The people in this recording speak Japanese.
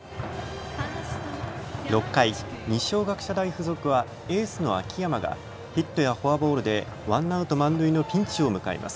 ６回、二松学舎大付属はエースの秋山がヒットやフォアボールでワンアウト満塁のピンチを迎えます。